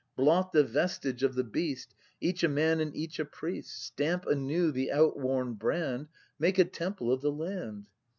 Blot the vestige of the beast. Each a Man and each a Priest, Stamp anew the outworn brand, Make a Temple of the land.